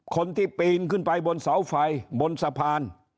ปีนขึ้นไปบนเสาไฟบนสะพาน